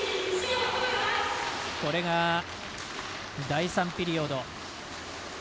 これが、第３ピリオド。